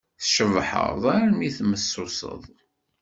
Tcebḥeḍ armi tmessuseḍ!